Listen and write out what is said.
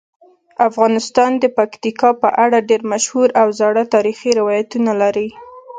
افغانستان د پکتیکا په اړه ډیر مشهور او زاړه تاریخی روایتونه لري.